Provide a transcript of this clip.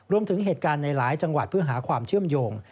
เหตุการณ์ในหลายจังหวัดเพื่อหาความเชื่อมโยง